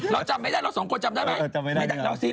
เราจำไม่ได้เหรอเราสองคนจำได้ไหม